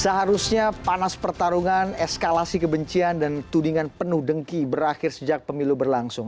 seharusnya panas pertarungan eskalasi kebencian dan tudingan penuh dengki berakhir sejak pemilu berlangsung